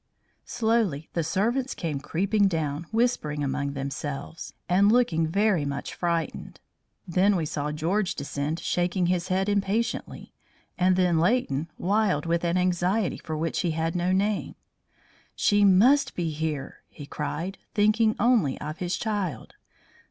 Slowly the servants came creeping down whispering among themselves and looking very much frightened. Then we saw George descend shaking his head impatiently, and then Leighton, wild with an anxiety for which he had no name. "She must be here!" he cried, thinking only of his child.